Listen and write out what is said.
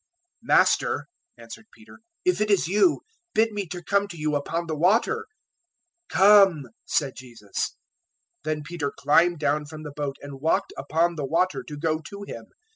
014:028 "Master," answered Peter, "if it is you, bid me come to you upon the water." 014:029 "Come," said Jesus. Then Peter climbed down from the boat and walked upon the water to go to Him.